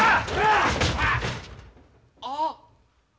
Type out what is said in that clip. あっ。